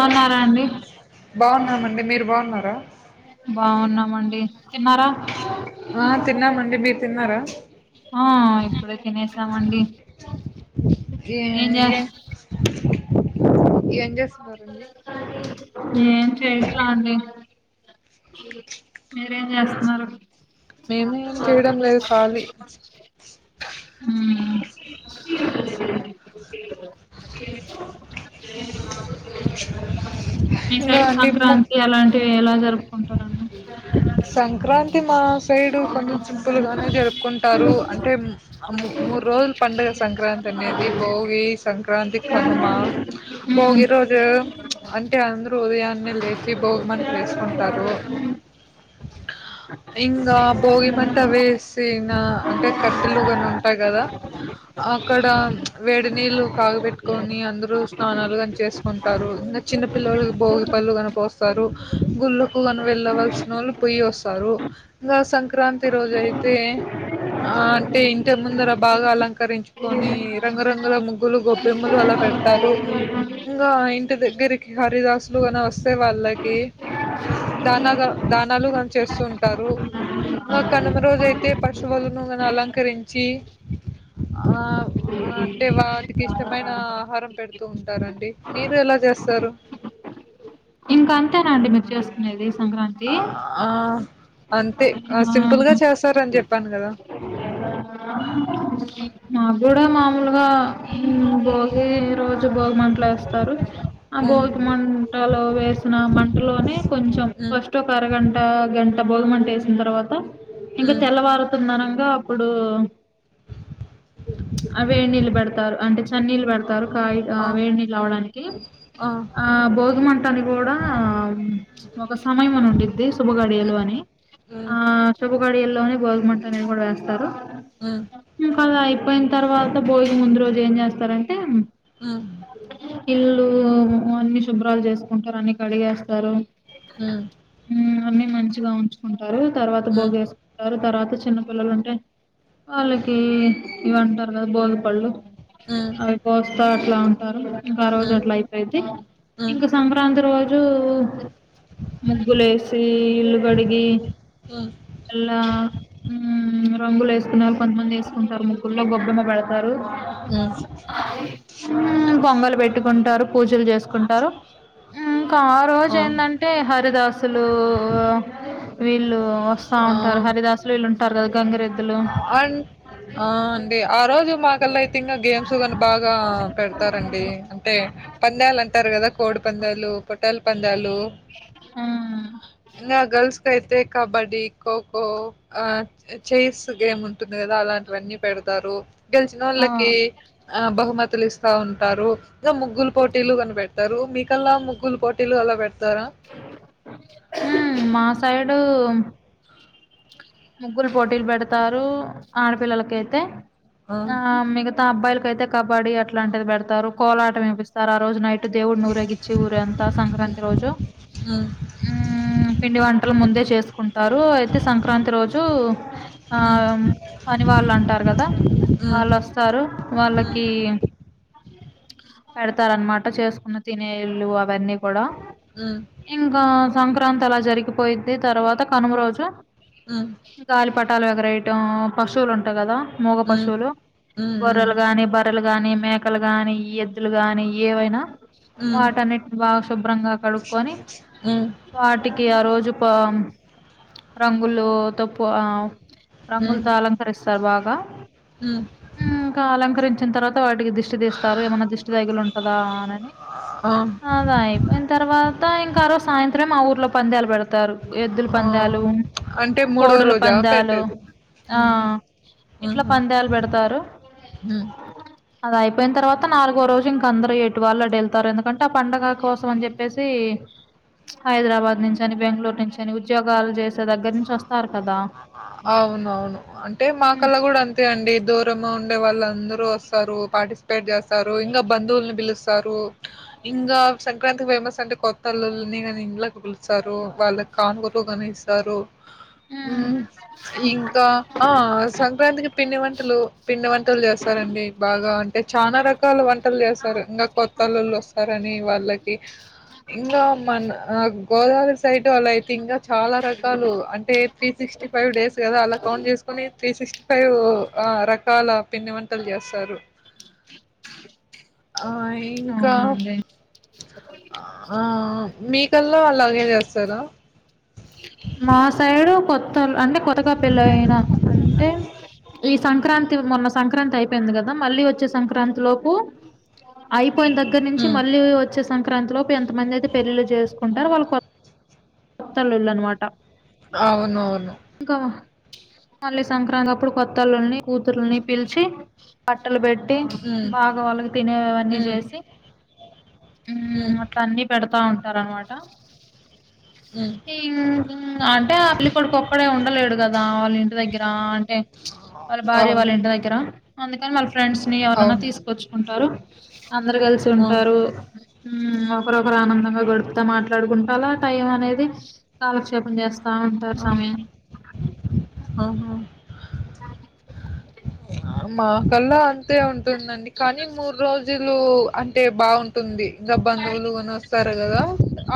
వున్నారా అండి? బాగున్నామండి మీరు బాగున్నారా? బాగున్నామండి తిన్నారా? ఆ తిన్నామండి మీరు తిన్నారా ఆ ఇప్పుడే తినేసామండి ఏ ఏం చేస్ ఏ ఏంజేస్ ఏం చెయ్యట్లా అండి మీరేం చేస్త్నారు? మేము ఏం చెయ్యడం లేదు ఖాళీ ఊమ్ మీ ఇంకా సైడ్ అండి ము సంక్రాంతి అలాంటివి ఎలా జరుపుకుంటారు అండి సంక్రాంతి మా సైడ్ కొంచెం సింపుల్ గానే జరుపుకుంట్ టారు అంటే ఉమ్ ఆ మూ మూడ్ రోజుల పండగ సంక్రాంతి అనేది భోగి, సంక్రాంతి, కనుమ మ్మ్ భోగి రోజు ప్చ్ అంటే అందరూ ఉదయాన్నే లేచి భోగి మంట వేసుకుంటారు ఇంకా ఇంగా భోగిమంట వేసిన అంటే కట్టెలు గాని ఉంటాయ్ గదా? అక్కడ ప్చ్ వేడి నీళ్ళు కాగబెట్కొని అందరూ స్నానాలు ఉంటారు ఇంగ చిన్న పిల్లలకి భోగి పళ్ళు కన పోస్తారు గుళ్ళకు గన వెళ్ళవల్సిన వోళ్ళు పోయ్యి వస్తారు ఇంగ సంక్రాంతి రోజు ఐతే ఆ అంటే ఇంటి ముందర బాగా అలంకరించుకొని రంగరంగుల ముగ్గులు గొబ్బెమ్మలు అలా పెడ్ టారు ఇంగా ఇంటి దగ్గరికి హరిదాసులు కన వస్తే వాళ్ళకి దానాగా దానాలు చేస్తుంటారు ఇంగ కనుమ రోజు ఐతే పశువులును అలంక కరించి ఆ ఆ అంటే వాట్ టికి ఇష్టమైన ఆహారం పెడుతూ ఉంటారండి మీరు ఎలా చేస్తారు? ఇంకా అంతేనా అండి మీరు చేస్కునేది సంక్రాంత్ ఆ ఆ అంతే సింపుల్గా ఆ చేస్తారని చెప్పాను కదా మా గూడ మామూలుగా ఉమ్ భోగి రోజు భోగిమంట్లు వేస్ టారు ఆ ఉమ్ భోగి మంటలో వేసిన మంటలోనే కొంచెం ఉమ్ ఫస్ట్ ఒక అరగంట గంట భోగమంటేసిన తర్వాత ఇంకా ఉమ్ తెల్లవారుతున్నానంగ అప్పుడు ప్చ్ వేడి నీళ్ళు పెడతారు అంటే చన్నీళ్లు పెడతారు కాయ్ ఆ వేడి నీళ్ళు అవ్వడానికి ఆ ఆ భోజమంటని గూడా ఒక సమయం అని ఉండిద్ది శుభ గడియలు ఉమ్ అని ఆ శుభ గడియల్లోనే బోగి మంటనే కూడా వేస్తారు ఉమ్ ఇంకా అలా ఐపోయిన తర్వాత భోగి ముందు రోజు ఏం చేస్తారంటే? ఊ ఇల్లు అన్ని శుభ్రాలు చేసుకుంటారు అన్నీ కడిగేస్తారు ఉమ్ ఉమ్ అన్ని మంచిగా ఉంచుకుంటారు తర్వాత ఉమ్ భోగేస్ ఎవరు తర్వాత చిన్నపిల్లలుంటే వాళ్లకి ఇవంటారు గదా బోదపళ్లు ఉమ్ అవి కోస్తా అట్లా ఉంటారు ఇంకా ఆ రోజు ఉమ్ అట్లా అయి అయితే ఉమ్ ఇంక సంక్రాంతి రోజూ ముగ్గులేసి ఇల్లు గాడిగి హ్మ్. అల్లా ఉమ్మ్ రంగులేసుకునే వరకు కొంతమంది ఏమండీ ఏసుకుంటారు ముగ్గులో గొబ్బెమ్మ పెడతారు ఉమ్మ్ ఉమ్మ్ బొంగలు పెట్టుకుంటారు పూజలు జేసుకుంటారు ఉమ్మ్ ఇంకా ఆ రోజు ఏందంటే అంటే హరిదాసులు వీళ్లు వస్తా ఉంటారు హరిదాసులు సిల్ళుంటారు గదా గంగిరెద్దు అ అం అంటే ఆ రోజు మాకల్లాయితే ఇంకా గేమ్స్ గానీ బాగా పెడతారండి అంటే పందాలు అంటారు గదా కోడి పందాలు పోట్టాల్ పందాలు ఉమ్మ్ ఇగ గర్ల్స్ కేయితే కబడ్డి ఖోఖో ఛైర్స్ గేమ్ ఉంటుంది గదా అలాంటివన్నీ పెడతారు గెలిచిన ఆ వాళ్లకి ఆ బహుమతులు ఇస్తా ఉంటారు ఇగ ముగ్గులు పోటీలు గానీ పెడతారా మీకల్లా ముగ్గులు పోటీలు అలా పెడతారా ఉమ్మ్ మా సైడు ముగ్గులు పోటీలు పెడతారు ఆడపిల్లలకైతే ఆ మిగతా తా అబ్బాయిలకయితే కబడ్డీ అట్లాంటిది పెడతారు కోలాట ఏపిస్తారు ఆ రోజు నైట్ ట్ దేవుడినీ ఊరేగిచ్చి ఊరంతా సంక్రాంతి రోజు హ్మ్. ఉమ్మ్ పిండి వంటలు ముందే చేసుకుంటారు అయితే సంక్రాంతి త్రి రోజు ఆ హ్మ్. పని వాళ్లు అంటారు గదా హ్మ్. అళ్లు వస్తారు హ్మ్. వాళ్లకి పెడతారన్నమాట చేసుకున్న తినేళ్ళు అవన్నీ గూడ ఉమ్మ్ ఇంకా సంక్రాంతి అలా జరిగిపోయిది తర్వాత కనుము రోజూ ఉమ్మ్ గాలిపటాలు ఎగరేయటం పశువులు ఉంటాయి గదా మూగ హ్మ్. పశువులు హ్మ్. హ్మ్. గొర్రెలు గానీ బర్రలు గానీ మేకలు గానీ ఎద్దులు గానీ ఏవైనా హ్మ్. వాటన్నిటి బాగా శుభ్రంగా కడుక్కొని హ్మ్. వాటికి ఆ రోజు పామ్ రంగులు తప్పు ఆ రంగులతో అలంకరిస్తారు బాగా ఉమ్మ్ ఉమ్ ఇంకా అలంకరించిన తర్వాత వాటికి దిష్ దిష్టి దీస్తారు ఏమన్నా దిష్టి దగిలీ ఉంటందా అననీ ఆ! అదాయిపోయిన తర్వాత ఇంకా ఆ రోజ్ సాయంత్రం ఆ ఊర్లో పందాలు పెడతం తారు ఎద్దుల ఆ! పందాలు అంటే మూడో కోడుల రోజా పందాలు పెట్టేది? ఆ హుహు. ఇట్లా హుహు. పందేలు పెడతారు హ్మ్. అది అయిపోయిన తర్వాత నాలుగో రోజు ఇంక అందరూ ఎటు వాళ్లు అటు వెళ్తారు ఎందుకంటే ఆ పండగ కోసం అని జేప్పి చెప్పేసి మ్చ్ హైదరాబాద్ నుంచి అని బెంగళూరు నుంచి అని ఉద్యోగాలు జేసే దగ్గర నుంచి వస్త అవునవును అంటే హ్మ్ మాకల్లావు ఎప్పుడు అంతే అండి దూరము ఉండే వాళ్ళందరూ వస్తారు పార్టిసిపేట్ జేస్తారు స్తారు ఇంగా బంధువుల్ని బీలుస్తారు ఇంగా సంక్రాంతి ఫేమస్ అంటే కొత్తళ్ల్ని ఇండ్ల కి పిలుస్తారు వాళ్లకి కానుగాలు ఎక్కువ గానే ఇస్తారు హ్మ్ ఉమ్మ్ ఇంకా ఆ సంక్రాంతికి పిండి వంటలు పిండి వంటలు జేస్తారండి బాగాంట ఏ చానా రకాల వంట ట్టలు జేస్తారు ఇంగా కొత్తళ్ళళ్ళు వస్తారని వాళ్లకి ఇంగా మన్ అగ్ గోదావరి సైడ్ వాళ్లయితే ఇంకా చాలా రకాలు త్రీ సిక్స్టీ ఫైవ్ డేస్ గదా అలా కౌంట్ జేసుకుని త్రీ సిక్స్టీ ఫైవ్ ఆ రకాల పిండి వంటలు జేస్తారు ఆ ఇంకా అవునండి ఆ మీకల్లా అలాగే జేస్తారా మా సైడు కొత్త అంటే కొత్తగా పెళ్ళయినా అంటే ఈ సంక్రాంతి మొన్న సంక్రాంతి అయిపోయింది గదా మళ్లీ వచ్చే సంక్రాంతి లోపు అయిపోయిన్ దెగ్గర నుంచి హ్మ్. మళ్లీ వచ్ వచ్చే సంక్రాంతి లోపు ఎంతమంది అయితే పెళ్ళిళు జేసుకుంటారు వాళ్లు కొత్ కొత్త అల్లులు అన్నమాట అవునువును ఇంకా మళ్లీ సంక్రాంతి అప్పుడు కొత్తళ్ళల్ని కూతుర్లని పిలిచి బట్టలు బెట్టి హ్మ్. బాగా వాళ్లకు తినేవన్నీ హ్మ్. జేసి హ్మ్. ఇమ్ అట్లా అన్ని పెడతా ఉంటారన్నమాట హ్మ్. టిగ్ టిగ్ అంటే అ పెళ్లి కొడుకు ఒక్కడే ఉండలేడు గదా వాళ్ల ఇంటి దగ్గర అంటే మ్చ్ వాళ్ల భార్య వాళ్ల అవును. ఇంటి దెగ్గర అందుకని వాళ్ల ఫ్రెండ్స్ ని ఎవరైన్నా అవును. తీసుకు కోచూకుంటారు అందరూ గాలిసి ఆ! ఉంటారు ఉమ్మ్ ఒకరొకరు ఆనందంగా గడుపుతా మాట్లాడుకుంటాల టైం అనేది కాలక్షేపం జేస్త తా ఉంటారు సమయం ఉమ్హు రాలే ఆ మా కల్లా అంతే ఉంటుందండి కానీ మూడు రోజుల్ జూలు అంటే బాగుంటుంది ఇంగ బంధువులు గోన వస్తారు గదా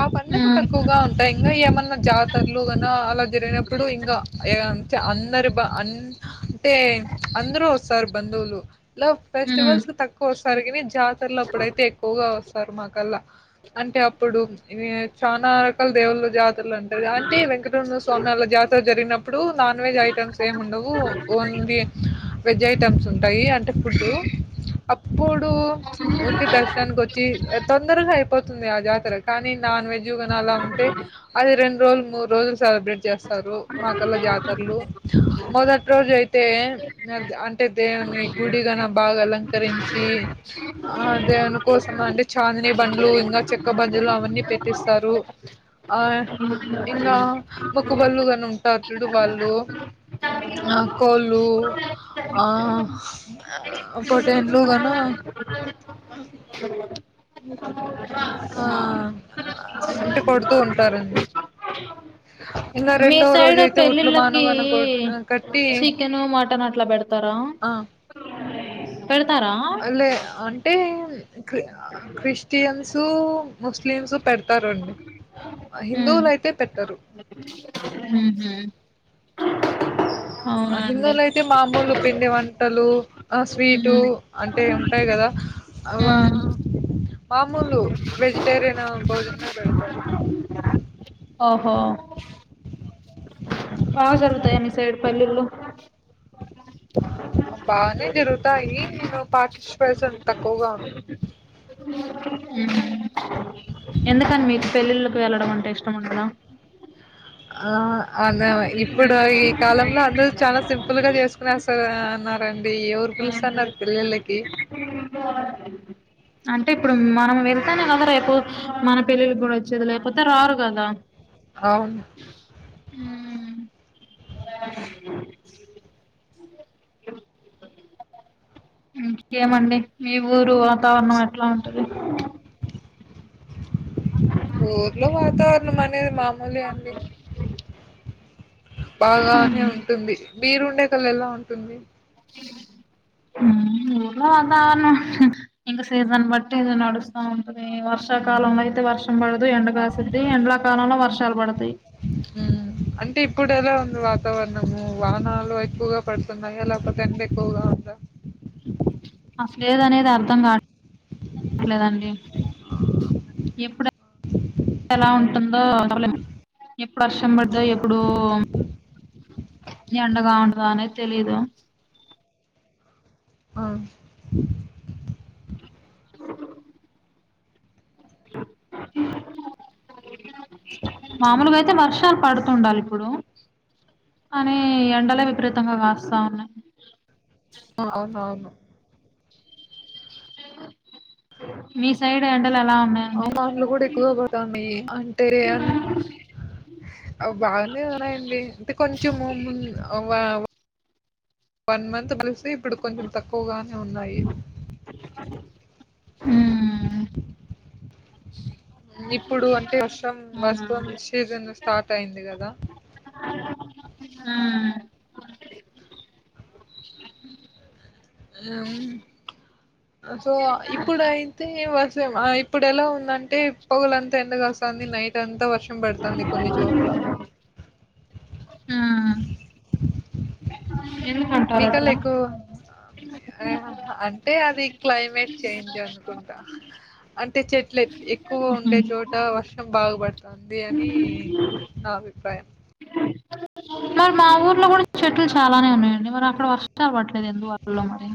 ఆ పండుగ మ్మ్ తక్కువగా ఉంటాయి ఇంకా ఏమన్నా జాతరలు గాన అలా జరిగినప్పుడు ఇంగా ఎగన్ చా అందరు బంధ అన్ అంటే అందరూ వస్తారు బంధువులు ఇలా మ్మ్ ఫెస్టివల్స్ తక్కువ వస్తారు గానీ జాతరలప్పుడైతే ఎక్కువగా వస్త స్తారు మాకల్లా అంటే అప్పుడు మేమే చానా రకాల దేవుళ్ళలు జాత్ తార ఉంటాది అంటే వెంకటరమణ స్వామి అలా జాతర తర జరిగినప్పుడు నాన్ వెజ్ ఐటమ్స్ ఏమి ఉండవు ఓన్లీ వెజ్ ఐటమ్స్ ఉం ఉంటాయి అంటే ఫుడ్ అప్పుడూ ఊర్కి దర్శననికొచ్చి ఆ తొందరగా అయిపో పోతుంది ఆ జాతర కానీ నాన్ వెజ్ గాన అలా ఉంటే అది రెండు రోజులు మూడు రోజులు సెలబ్రేట్ జేస్త తారు మా కల్ల జాతరలు మొదటి రోజైయితే నాగ్దా అంటే దేవుని గుడిగాన బాగా అలంకరించి ఆ దేనికోసం అంటే చాందినీ బండ్లు ఇంగా చెక్క బండ్లు అవన్నీ పెట్టిస్తారు ఆయి ఇంగా మొక్కుబళ్ళు గాను ఉంటారు చూడు వాళ్లు ఆ కోళ్లు ఆ పొట్టేళ్ళు గాను సబ లబ్బీ ఆ అంటే కొడుతూ ఉంటారండి ఇంగ మీ రెండో రోజు సైడ్ అయితే ఉట్లు పెళ్ళిళ్ళకి మానుగన కొ కట్టి చికెను మటన్ అట్లా బెడుతారా ఆ పెడ్తారా లే అంటే క్రిస్టియన్సు ముస్లిమ్సు పెడతారండి అ మ్మ్ హిందువులుయితే పెట్టరు మ్ హు అ అండి హిందువులైతే మామూలు పిండి వంటలు అ స్వీటు మ్మ్ అంటే ఉంటాయి కదా వా మ్మ్ మామూలు వెజిటేరియను భోజనమే పెడతారు ఓహో బాగ జరుగుతాయా మీ సైడ్ పల్లీల్లు బానే జరుగుతాయి నిను పాటిస్పేషన్ తక్కువగా ఉ క మ్ స ఎందుకని మీకు పెళ్ళిళ్ళక్ వెళ్ళడం అంటే ఇష్టం ఉండదా ఆ అదా ఇప్పుడు ఈ కాలంలో అందరు చాలా సింపుల్ గా చేసుకునే అస్ స అన్నారండి ఎవరు పిలుసాన్నార్ పెళ్ళిళ్ళకి బ అంటే ఇప్పుడు మనం వెళ్తేనే కదా రేపు మన పెళ్ళిళ్క్ కూడా వచ్చేది లేకపోతే రారు కదా అవును ఉమ్ యేమండి మీ ఊరు వాతావరణం ఎట్లా ఉంటది అ ఊర్లో వాతావరణం అనేది మామూలే అండి బాగానే ఉంటుంది బీరుండెకల్ ఎలా ఉంటుంది హ్మ్ ఊర్లో వాతావరణం ఇంక సీజన్ బట్టి ఇది నడుస్తా ఉంటుది వర్షాకాలం అయితే వర్షం పడదు ఎండ కాసులు ది ఎండ్ల కాలంలో వర్షాల్ పడతాయి మ్ అంటే ఇప్పుడెల ఎదో ఉంది వాతావరణము వానాలు ఎక్కువగా పడుతున్నాయి లేకపోతే ఎంత ఎక్కువగా ఉందా అస్సల్ద్ అనేది అర్థం కాట్ ట్లేదండి ఎప్పుడై ఎలా ఉంటుందో చెప్పలేం ఎప్పుడు హర్షం పడిదో ఎప్పుడు ఎండగా ఉండద అనేద్ తెలీదు అవును అ మాముల్గైతే వర్షాల్ పడుతుండాలి ఇప్పుడు కానీ ఎండలే హ్మ్. విపరీతంగా కాస్తా ఉన్నాయి అ అవునవును మీ సైడ్ ఎండలాలు ఎలా ఉన్నాయి అవునవున్లు కూడా ఎక్కువగా పోతున్నాయి అంటే అన్ అ బానే ఉన్నాయండి అంటే కొంచం మున్ ముంద్ వా వన్ మంత్ చుసి ఇప్పుడు కొంచం తక్కువగానే ఉన్నాయి మ్మ్ ఇప్పుడు అంటే వర్షం వర్షం అవునండి సీజన్ స్టార్ట్ అయింది కదా ఉమ్ ఉమ్ సో ఇప్పుడైతే వర్షం ఆ ఇప్పుడు ఎలా ఉందంటే పొగలంతా ఎండగా కాస్తాంది నైట్ అంతా వర్షం పడతాంది కొన్ని చోట్ల. ఉమ్ ఎందుకంటారు మీకల్లా అట్లా ఎక్కువ ఆ అంటే అది క్లైమేట్ చేంజ్ అనుకుంటా అంటే చెట్లు ఎక్కువ ఉండే మ్మ్. చోట వర్షం బాగపడతాంది అని నా అభిప్రాయం మరి మా ఊర్లో కూడా చెట్లు చాలానే ఉన్నాయండి మరి అక్కడ వర్షాలు పడట్లేదు ఎందువ వల్ల మరి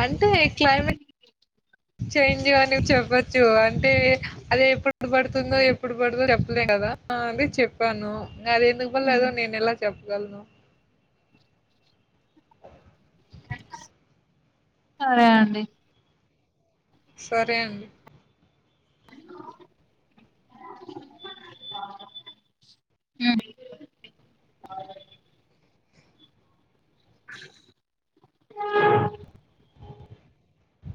అయితే ఈ క్లైమేట్ చేంజు అని చెప్పచ్చు అంటే అది ఎప్పుడు ఎప్పుడు పడుతుందో ఎప్పుడు పడదో చెప్పలేం కదా ఆ అదే చెప్పాను అది ఎందుకు పడలేదో నేను ఎలా చెప్పగలను సరే అండి సరే అండి ఉ